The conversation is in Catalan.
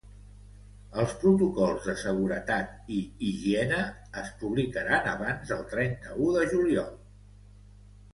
Els protocols de seguretat i higiene es publicaran abans del trenta-u de juliol.